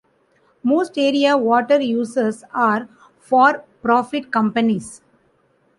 Most area water users are for-profit companies.